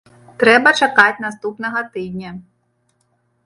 Трэба чакаць наступнага тыдня.